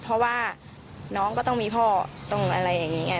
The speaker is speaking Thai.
เพราะว่าน้องก็ต้องมีพ่อต้องอะไรอย่างนี้ไง